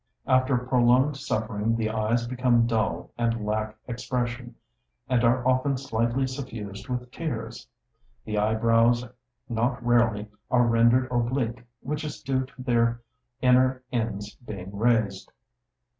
After prolonged suffering the eyes become dull and lack expression, and are often slightly suffused with tears. The eyebrows not rarely are rendered oblique, which is due to their inner ends being raised.